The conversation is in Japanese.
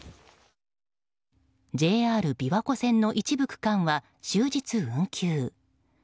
ＪＲ琵琶湖線の一部区間は終日運休。